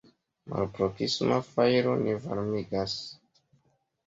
Malproksima fajro ne varmigas.